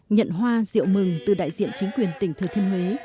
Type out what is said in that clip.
nhận hoa rượu mừng từ đại diện chính quyền tỉnh thừa thiên huế